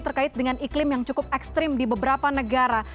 terkait dengan iklim yang cukup ekstrim di beberapa negara